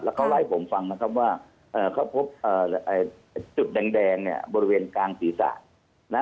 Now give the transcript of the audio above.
แล้วก็ให้ผมฟังนะครับว่าเขาพบจุดแดงบริเวณกาศาสนิษฐธิ์